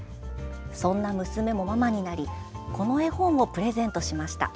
そんな娘もママになりこの絵本をプレゼントしました。